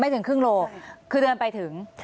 ไม่ถึงขึ้นโลคือเดินไปถึง